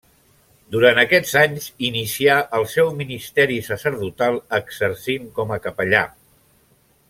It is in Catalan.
Durant aquests anys inicià el seu ministeri sacerdotal exercint com a capellà.